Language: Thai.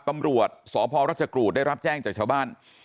ตำรวจสพรัชกรูดได้รับแจ้งจากชาวบ้าน